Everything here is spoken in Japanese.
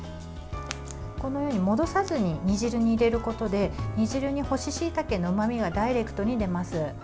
このように戻さずに煮汁に入れることで煮汁に干ししいたけのうまみがダイレクトに出ます。